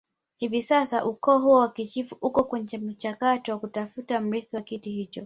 Hivi sasa ukoo huo wakichifu uko kwenye mchakato wa kutafiti mrithi wa kiti hicho